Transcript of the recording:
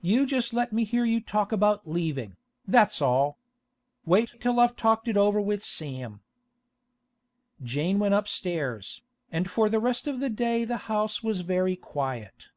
'You just let me hear you talk about leaving, that's all! Wait till I've talked it over with Sam.' Jane went upstairs, and for the rest of the day the house was very quiet.